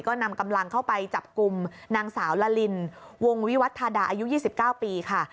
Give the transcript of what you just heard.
ก็นำกำลังเข้าไปจับกลุ่มนางสาวละลินวงวิวัตธาดาอายุ๒๙ปีค่ะ